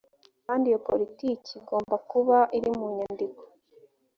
kandi iyo politiki igomba kuba iri mu nyandiko